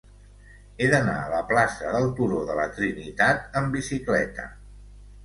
He d'anar a la plaça del Turó de la Trinitat amb bicicleta.